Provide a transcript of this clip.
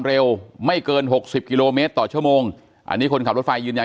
เร็วไม่เกินหกสิบกิโลเมตรต่อชั่วโมงอันนี้คนขับรถไฟยืนยัน